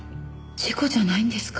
事故じゃないんですか？